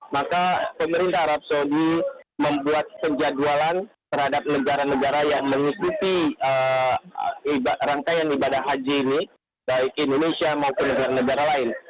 maka pemerintah arab saudi membuat penjadwalan terhadap negara negara yang mengikuti rangkaian ibadah haji ini baik indonesia maupun negara negara lain